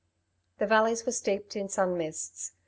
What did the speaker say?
The valleys were steeped in sun mists.